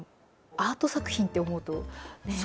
アート作品って思うとねえ？